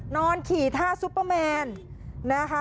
นอนขี่ท่าซุปเปอร์แมนนะคะ